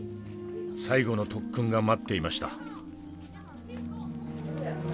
最後の特訓が待っていました。